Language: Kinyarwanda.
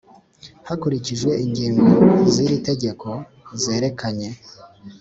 Hakurikijwe ingingo z iri tegeko zerekeranye